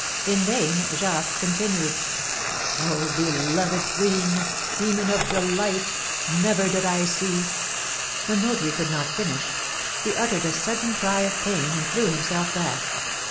In vain; Jacques continued: "Oh, beloved queen, demon of delight, never did I see " The notary could not finish; he uttered a sudden cry of pain and threw himself back.